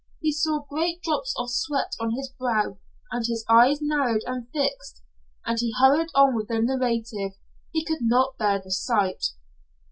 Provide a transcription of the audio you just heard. He saw great drops of sweat on his brow, and his eyes narrowed and fixed, and he hurried on with the narrative. He could not bear the sight.